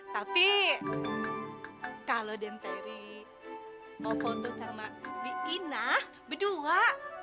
tapi kalau dan terry mau foto sama bina berdua